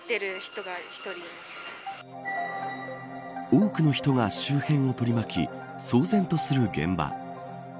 多くの人が周辺を取り巻き騒然とする現場。